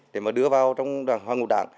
để mà đưa vào trong hoa ngục đảng